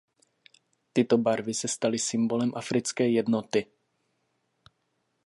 Tyto barvy se staly symbolem africké jednoty.